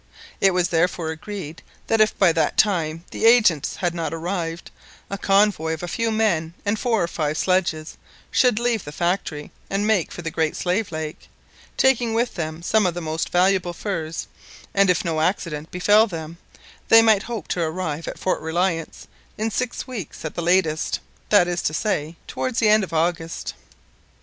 It was therefore agreed that if by that time the agents had not arrived, a convoy of a few men and four or five sledges should leave the factory, and make for the Great Slave Lake, taking with them some of the most valuable furs; and if no accident befell them, they might hope to arrive at Fort Reliance in six weeks at the latest that is to say, towards the end of August.